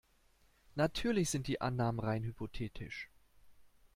Natürlich sind die Annahmen rein hypothetisch.